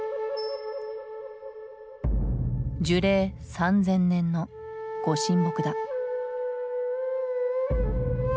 樹齢３，０００年の御神木だ。